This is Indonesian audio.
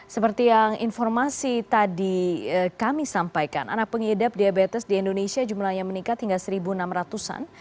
seperti yang informasi tadi kami sampaikan anak pengidap diabetes di indonesia jumlahnya meningkat hingga seribu enam ratus an